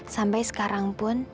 sampai sekarang pun